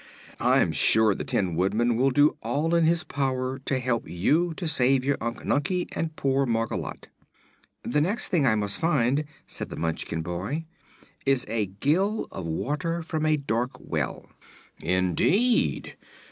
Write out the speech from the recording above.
I'm sure the Tin Woodman will do all in his power to help you to save your Unc Nunkie and poor Margolotte." "The next thing I must find," said the Munchkin boy, "is a gill of water from a dark well." "Indeed!